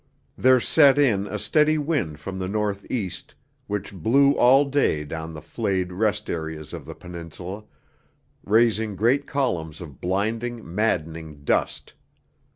There set in a steady wind from the north east which blew all day down the flayed rest areas of the Peninsula, raising great columns of blinding, maddening dust.